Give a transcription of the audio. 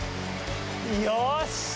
よし！